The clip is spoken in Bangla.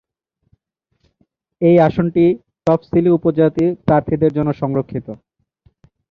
এই আসনটি তফসিলি উপজাতি প্রার্থীদের জন্য সংরক্ষিত।